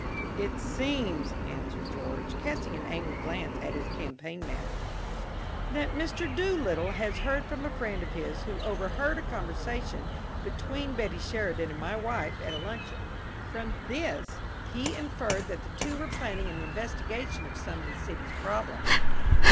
"It seems," answered George, casting an angry glance at his campaign manager, "that Mr. Doolittle has heard from a friend of his who overheard a conversation between Betty Sheridan and my wife at luncheon. From this he inferred that the two were planning an investigation of some of the city's problems."